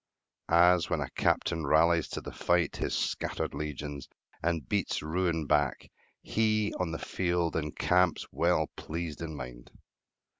As when a captain rallies to the fight His scattered legions, and beats ruin back, He, on the field, encamps, well pleased in mind.